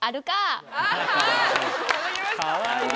かわいい。